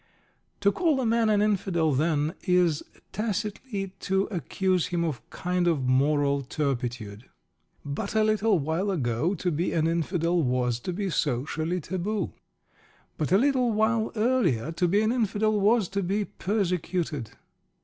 To call a man an Infidel, then, is tacitly to accuse him of a kind of moral turpitude. But a little while ago, to be an Infidel was to be socially taboo. But a little while earlier, to be an Infidel was to be persecuted.